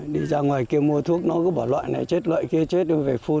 đi ra ngoài kia mua thuốc nó cứ bỏ loại này chết loại kia chết rồi về phun